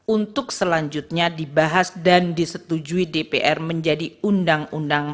untuk selanjutnya dibahas dan disetujui dpr menjadi undang undang